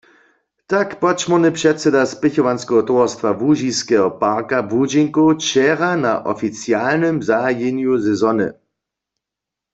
Tak podšmórny předsyda spěchowanskeho towarstwa Łužiskeho parka błudźenkow wčera na oficialnym zahajenju sezony.